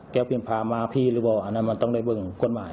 เปลี่ยนพามาพี่หรือเปล่าอันนั้นมันต้องได้เบิ่งกฎหมาย